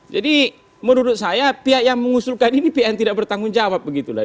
jadi menurut saya pihak yang mengusulkan ini pihak yang tidak bertanggung jawab